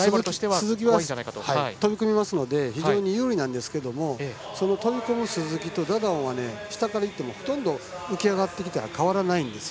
鈴木は飛び込みますので非常に有利なんですけど飛び込む、鈴木とダダオンは下からいっても浮き上がってきたら変わらないんですよ。